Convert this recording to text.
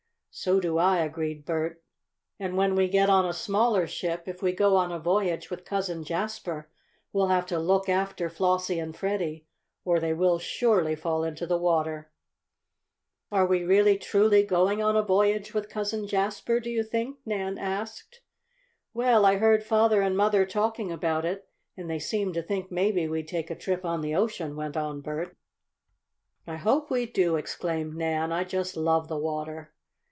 "So do I," agreed Bert. "And when we get on a smaller ship, if we go on a voyage with Cousin Jasper, we'll have to look after Flossie and Freddie, or they will surely fall into the water." "Are we really, truly going on a voyage with Cousin Jasper, do you think?" Nan asked. "Well, I heard father and mother talking about it, and they seemed to think maybe we'd take a trip on the ocean," went on Bert. "I hope we do!" exclaimed Nan. "I just love the water!"